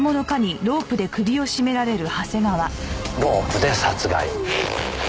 ロープで殺害。